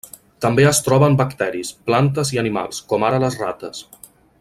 També es troba en bacteris, plantes i animals, com ara les rates.